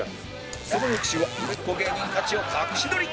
その翌週は売れっ子芸人たちを隠し撮り